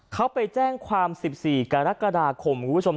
เขาไปแจ้งความ๑๔กรกฎาคมคุณผู้ชม